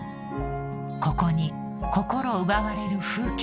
［ここに心奪われる風景が］